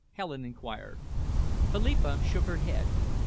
Helen enquired. Philippa shook her head.